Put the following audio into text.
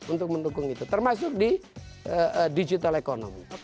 untuk mendukung itu termasuk di digital economy